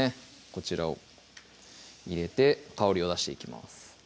こちらを入れて香りを出していきます